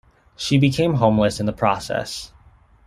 She became homeless in the process.